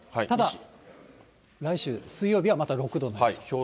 ただ来週水曜日はまた６度の予想と。